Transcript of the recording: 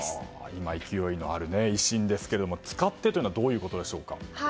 今、勢いのある維新ですけど使ってというのはどういうことでしょうか。